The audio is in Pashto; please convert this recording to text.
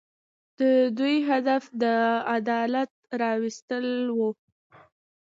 د دوی هدف د عدالت راوستل وو.